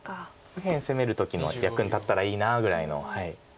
右辺攻める時の役に立ったらいいなぐらいの。